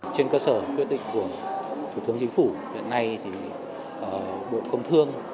trên cơ sở quyết định của thủ tướng chính phủ hiện nay thì bộ công thương